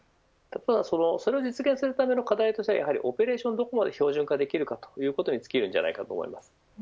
それを実現するための課題としてはやはりオペレーションをどこまで標準化できるということに尽きると思います。